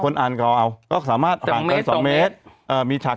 อ่านเก่าเอาก็สามารถสั่งเกินสองเมตรเอ่อมีฉาก